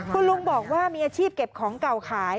คุณลุงบอกว่ามีอาชีพเก็บของเก่าขาย